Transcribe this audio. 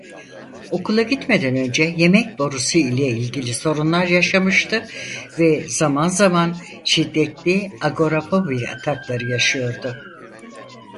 Okula gitmeden önce yemek borusu ile ilgili sorunlar yaşamıştı ve zaman zaman şiddetli agorafobi atakları yaşıyordu.